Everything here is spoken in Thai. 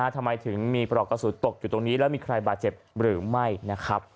ทำไมถึงมีปลอกกระสุนตกอยู่ตรงนี้แล้วมีใครบาดเจ็บหรือไม่นะครับ